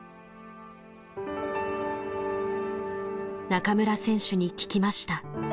中村選手に聞きました。